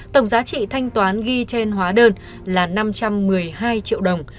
tổng giá trị thanh toán ghi trên hóa đơn là năm trăm một mươi hai triệu đồng